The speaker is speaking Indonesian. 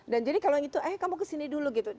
dan jadi kalau gitu eh kamu kesini dulu gitu